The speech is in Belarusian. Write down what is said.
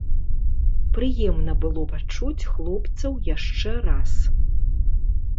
Прыемна было пачуць хлопцаў яшчэ раз.